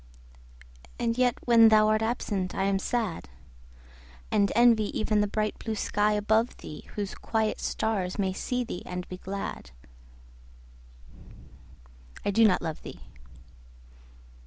And yet when thou art absent I am sad; And envy even the bright blue sky above thee, Whose quiet stars may see thee and be glad. I do not love thee!